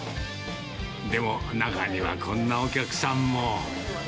でも、中にはこんなお客さんも。